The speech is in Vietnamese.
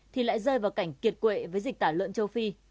thì lại rơi vào cảnh kiệt quệ với dịch tả lợn châu phi